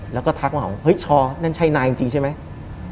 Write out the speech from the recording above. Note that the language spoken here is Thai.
แล้วก็ทักมึงช้านั่นชายนายจริงใช่ไหม